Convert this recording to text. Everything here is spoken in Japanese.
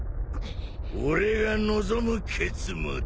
俺が望む結末。